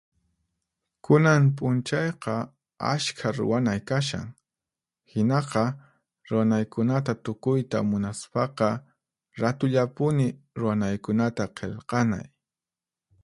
Kunan p'unchayqa ashkha ruwanay kashan. Hinaqa, ruwanaykunata tukuyta munaspaqa, ratullapuni ruwanaykunata qillqanay.